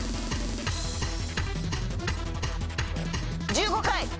１５回！